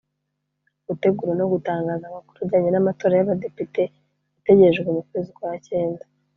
gutegura no gutangaza amakuru ajyanye n’amatora y’abadepite ategerejwe mu kwezi kwa cyenda